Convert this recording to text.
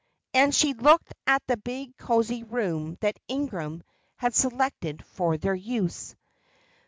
and she looked at the big, cosy room that Ingram had selected for their use.